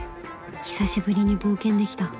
久しぶりに冒険できた